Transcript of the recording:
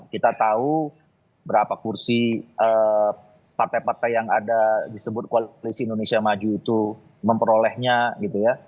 kita tahu berapa kursi partai partai yang ada disebut koalisi indonesia maju itu memperolehnya gitu ya